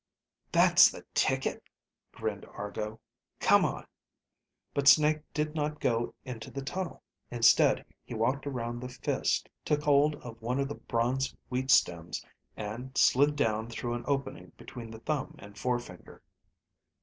"That's the ticket," grinned Argo. "Come on." But Snake did not go into the tunnel. Instead he walked around the fist, took hold of one of the bronze wheat stems, and slid down through an opening between the thumb and forefinger.